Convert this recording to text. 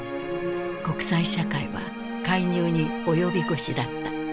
国際社会は介入に及び腰だった。